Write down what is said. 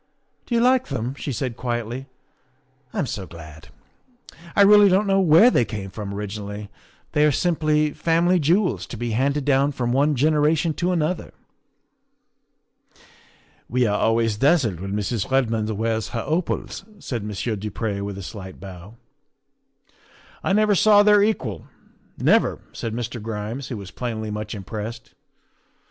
Do you like them?" she replied quietly. " I'm so glad. I really don't know where they came from origi nally. They are simply family jewels, to be handed down from one generation to another." ' We are always dazzled when Mrs. Redmond wears her opals," said Monsieur du Pre with a slight bow. ' I never saw their equal never," said Mr. Grimes, who was plainly much impressed.